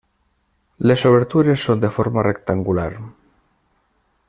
Les obertures són de forma rectangular.